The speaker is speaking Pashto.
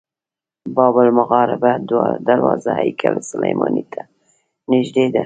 باب المغاربه دروازه هیکل سلیماني ته نږدې ده.